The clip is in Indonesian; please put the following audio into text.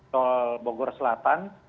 tol bogor selatan